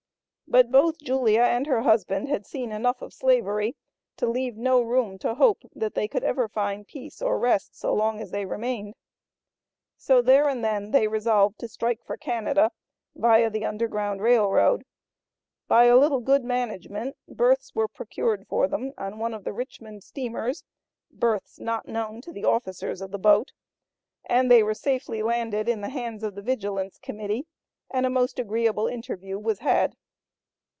But both Julia and her husband had seen enough of Slavery to leave no room to hope that they could ever find peace or rest so long as they remained. So there and then, they resolved to strike for Canada, via the Underground Rail Road. By a little good management, berths were procured for them on one of the Richmond steamers (berths not known to the officers of the boat), and they were safely landed in the hands of the Vigilance Committee, and a most agreeable interview was had.